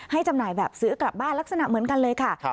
จำหน่ายแบบซื้อกลับบ้านลักษณะเหมือนกันเลยค่ะ